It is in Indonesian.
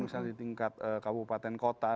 misalnya di tingkat kabupaten kota